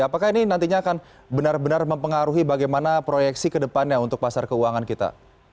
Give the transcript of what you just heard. apakah ini nantinya akan benar benar mempengaruhi bagaimana proyeksi ke depannya untuk pasar keuangan kita